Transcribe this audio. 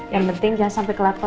yang penting jangan sampai kenyang ya